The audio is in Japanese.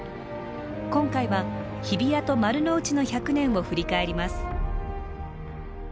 今回は日比谷と丸の内の１００年を振り返ります。